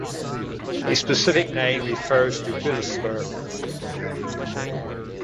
The specific name refers to Bilaspur.